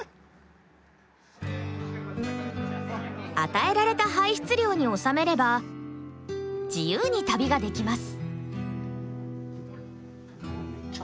与えられた排出量に収めれば自由に旅ができます。